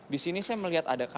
disini saya melihat ada ka nek